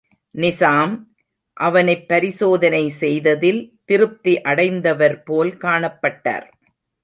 நிசாம், அவனைப் பரிசோதனை செய்ததில் திருப்தி அடைந்தவர் போல் காணப்பட்டார்.